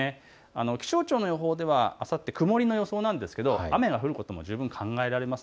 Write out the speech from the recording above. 気象庁の予報ではあさって曇りの予想なんですが、雨の降ることも十分考えられます。